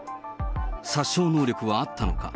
殺傷能力はあったのか。